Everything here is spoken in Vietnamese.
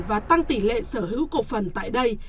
và tăng tỷ lệ sở hữu cổ phần tại đây